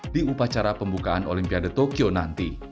di upacara pembukaan olimpiade tokyo nanti